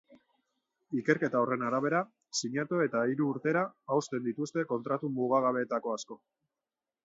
Ikerketa horren arabera, sinatu eta hiru urtera hausten dituzte kontratu mugagabeetako asko.